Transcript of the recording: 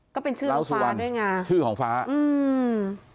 ก็เป็นชื่อของฟ้าด้วยไงชื่อของฟ้าอืม